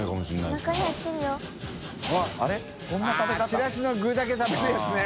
◆舛ちらしの具だけ食べるやつね。